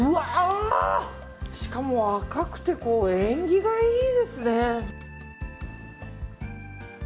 しかも赤くて縁起がいいですね。